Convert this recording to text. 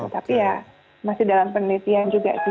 tapi ya masih dalam penelitian juga sih